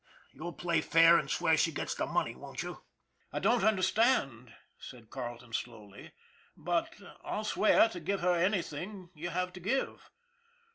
You'll play fair and swear she gets the money, won't you?" "I don't understand," said Carleton slowly; "but I'll swear to give her anything you have to give."